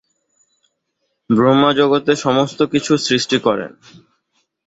ব্রহ্মা জগতে সমস্ত কিছু সৃষ্টি করেন।